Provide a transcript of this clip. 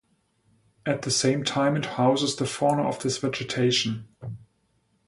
At the same time it houses the fauna of this vegetation.